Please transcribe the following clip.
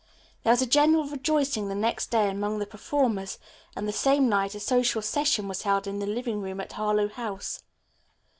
There was a general rejoicing the next day among the performers, and the same night a social session was held in the living room at Harlowe House.